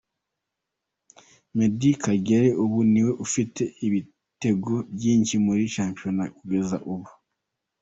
Meddie Kagere ubu niwe ufite ibitego byinshi muri shampiyona kugeza ubu.